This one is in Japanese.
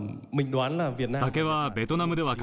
竹はベトナムでは欠かせない